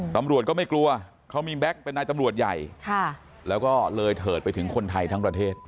ตำรวจก็ไม่กลัวเขามีแก๊กเป็นนายตำรวจใหญ่แล้วก็เลยเถิดไปถึงคนไทยทั้งประเทศ